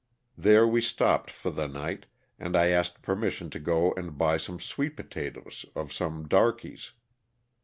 There we stopped for the night and I asked permission to go and buy some sweet potatoes of some ''darkies."